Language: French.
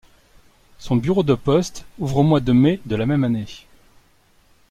Son bureau de poste ouvre au mois de mai de la même année.